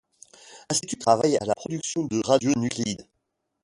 L'institut travaille à la production de radionucléides.